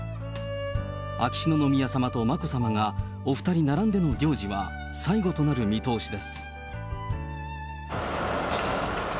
秋篠宮さまと眞子さまがお２人並んでの行事は、最後となる見通しです。